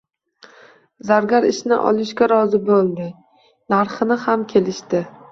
Zargar ishni olishga rozi boʻldi, narxini ham kelishdi